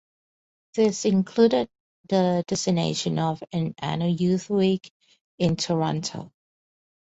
This included the designation of an annual Youth Week in Toronto.